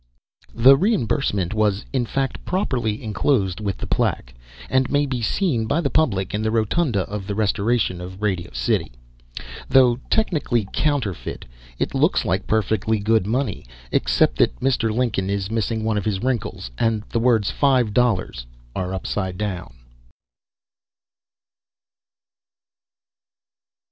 The reimbursement was in fact properly enclosed with the plaque, and may be seen by the public in the rotunda of the restoration of Radio City. Though technically counterfeit, it looks like perfectly good money, except that Mr. Lincoln is missing one of his wrinkles and the words "FIVE DOLLARS" are upside down.